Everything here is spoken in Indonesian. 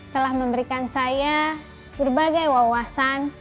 telah memberikan saya berbagai wawasan